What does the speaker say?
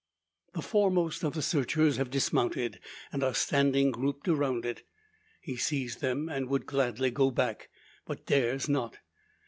The foremost of the searchers have dismounted and are standing grouped around it. He sees them, and would gladly go back, but dares not.